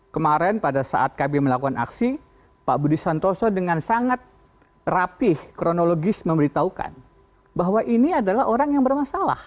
kemarin pada saat kb melakukan aksi pak budi santoso dengan sangat rapih kronologis memberitahukan bahwa ini adalah orang yang bermasalah